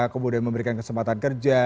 kemudian memberikan kesempatan kerja